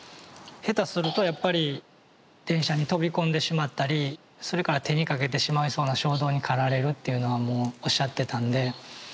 下手するとやっぱり電車に飛び込んでしまったりそれから手にかけてしまいそうな衝動に駆られるっていうのはもうおっしゃってたんで。